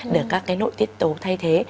để các cái nội tiết tố thay thế